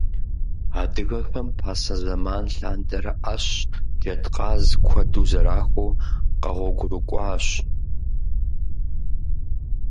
Адыгэхэм пасэ зэман лъандэрэ Ӏэщ, джэдкъаз куэду зэрахуэу къэгъуэгурыкӀуащ.